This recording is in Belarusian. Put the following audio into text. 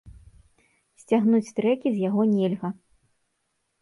Сцягнуць трэкі з яго нельга.